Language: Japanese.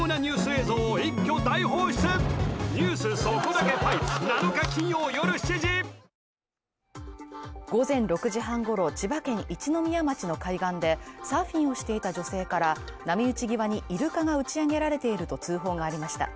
だってさ午前６時半ごろ千葉県一宮町の海岸でサーフィンをしていた女性から波打ち際に、イルカがうちあげられていると通報がありました。